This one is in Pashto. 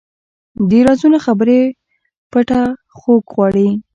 د رازونو خبرې پټه غوږ غواړي